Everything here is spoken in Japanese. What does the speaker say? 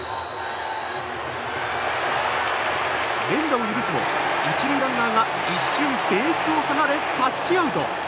連打を許すも１塁ランナーが一瞬ベースを離れタッチアウト。